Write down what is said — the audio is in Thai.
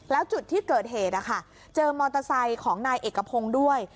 แล้วจุดที่เกิดเหตุเจอมอเตอร์ไซค์ของนายเอกพงศ์ด้วย